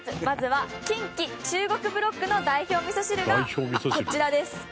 まずは近畿中国ブロックの代表味噌汁がこちらです。